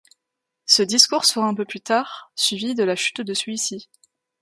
Ce discours sera un peu plus tard suivi de la chute de celui-ci.